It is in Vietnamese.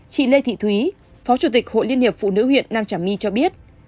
chị lê thị thúy phó chủ tịch hội liên hiệp phụ nữ huyện nam trà my cho biết